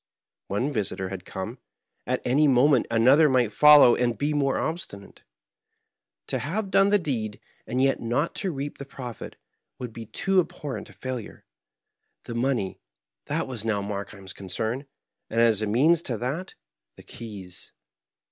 One visitor had come : at any moment another might follow and be more obstinate. Digitized by VjOOQIC 62 MABKHEIM. To liave done the deed, and yet not to reap the profit, would be too abhorrent a f ailnre. The money, that was now Markheim's concern ; and as a means to that, the keys.